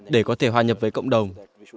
để có thể hòa nhập với cộng đồng